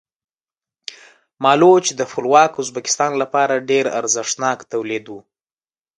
مالوچ د خپلواک ازبکستان لپاره ډېر ارزښتناک تولید و.